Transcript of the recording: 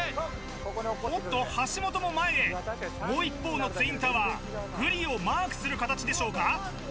おっと橋本も前へもう一方のツインタワーグリをマークする形でしょうか？